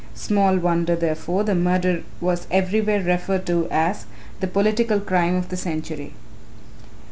Small wonder, therefore, the murder was everywhere referred to as "the political crime of the century."